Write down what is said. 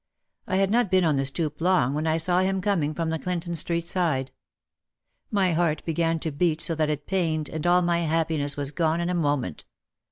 I had not been on the stoop long when I saw him coming from the Clinton Street side. My heart began to beat so that it pained and all my happiness was gone in a moment.